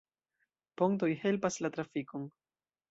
Pontoj helpas la trafikon.